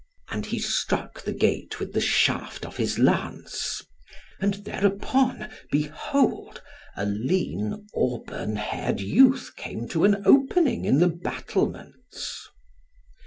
And he struck the gate with the shaft of his lance, and thereupon behold a lean auburn haired youth came to an opening in the battlements.